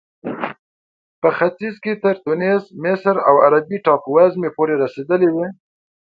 په ختیځ کې تر ټونس، مصر او عربي ټاپو وزمې پورې رسېدلې وې.